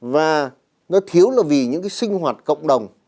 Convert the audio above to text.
và nó thiếu là vì những cái sinh hoạt cộng đồng